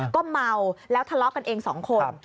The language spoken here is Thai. ก็เมาแล้วทะเลาะกันเองสองคน